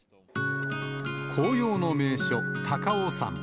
紅葉の名所、高尾山。